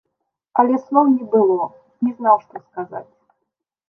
Але слоў не было, не знаў, што сказаць.